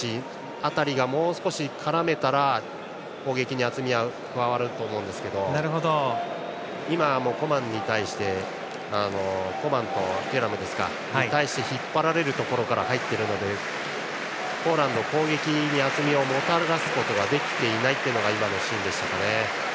辺りがもう少し絡めたら攻撃に厚みが加わると思うんですけどコマンとテュラムに対して引っ張られるところから入っているのでポーランド、攻撃に厚みをもたらすことができていないというのが先程のシーンでしたね。